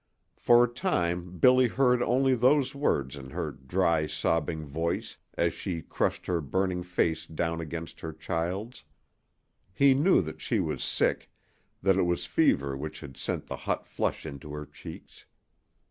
For a time Billy heard only those words in her dry, sobbing voice as she crushed her burning face down against her child's. He knew that she was sick, that it was fever which had sent the hot flush into her cheeks.